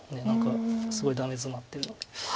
何かすごいダメヅマってる。